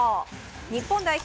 日本代表